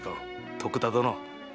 徳田殿。